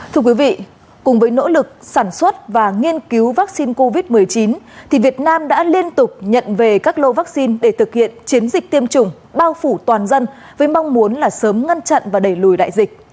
thưa quý vị cùng với nỗ lực sản xuất và nghiên cứu vaccine covid một mươi chín thì việt nam đã liên tục nhận về các lô vaccine để thực hiện chiến dịch tiêm chủng bao phủ toàn dân với mong muốn là sớm ngăn chặn và đẩy lùi đại dịch